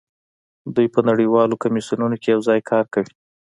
دوی په نړیوالو کمیسیونونو کې یوځای کار کوي